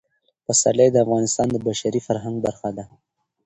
پسرلی د افغانستان د بشري فرهنګ برخه ده.